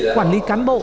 quản lý cán bộ